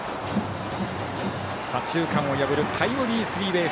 左中間を破るタイムリー